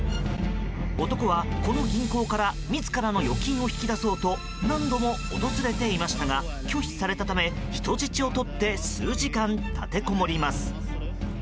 男はこの銀行から自らの預金を引き出そうと何度も訪れていましたが拒否されたため人質をとって数時間立てこもります。